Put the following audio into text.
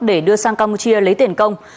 để đưa sang campuchia lấy tiền công